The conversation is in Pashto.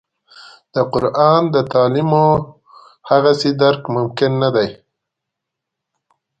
د قران د تعالیمو هغسې درک ممکن نه دی.